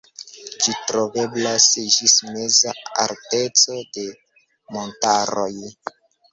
Ĝi troveblas ĝis meza alteco de montaroj.